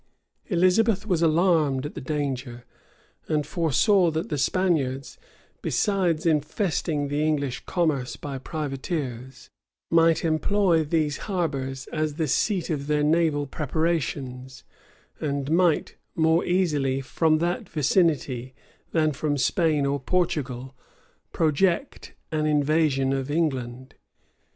Elizabeth was alarmed at the danger; and foresaw that the Spaniards, besides infesting the English commerce by privateers, might employ these harbors as the seat of their naval preparations, and might more easily, from that vicinity, than from Spain or Portugal, project an invasion of England.